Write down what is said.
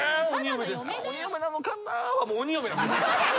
「鬼嫁なのかな？」はもう鬼嫁なんです。